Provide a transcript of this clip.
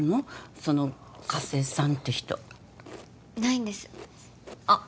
その加瀬さんって人ないんですあっ